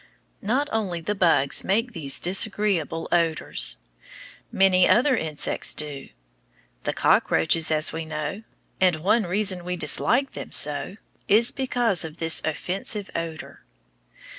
Not only the bugs make these disagreeable odors. Many other insects do. The cockroaches, as we know, and one reason we dislike them so is because of this offensive odor.